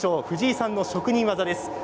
藤井さんの職人技です。